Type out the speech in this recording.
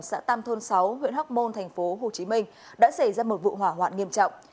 xã tam thôn sáu huyện hóc môn tp hcm đã xảy ra một vụ hỏa hoạn nghiêm trọng